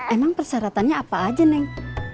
emang persyaratannya apa aja neng